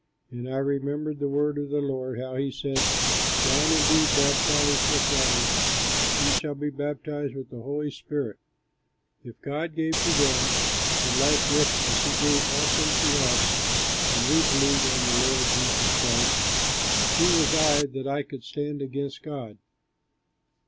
And I remembered the word of the Lord, how he said, 'John indeed baptized with water, but you shall be baptized with the Holy Spirit.' If then God gave to them the like gift as he gave also to us, when we believed on the Lord Jesus Christ, who was I, that I could stand against God?"